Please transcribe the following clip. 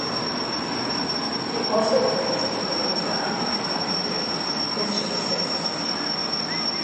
He also raced in the Lausanne Grand Prix, finishing sixth.